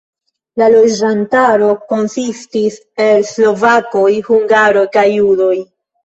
La loĝantaro konsistis el slovakoj, hungaroj kaj judoj.